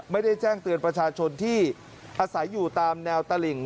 ไม่ได้แจ้งเตือนประชาชนที่อาศัยอยู่ตามแนวตลิ่ง